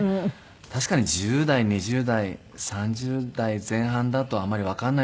確かに１０代２０代３０代前半だとあんまりわからないのかなって。